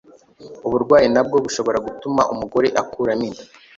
Uburwayi nabwo bushobora gutuma umugore akuramo inda